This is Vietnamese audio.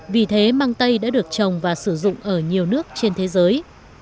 vì thế mang tây đã được trồng và sử dụng ở nhiều nước trên thế giới